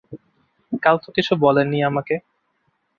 কাল তো কিছু বলেননি আমাকে?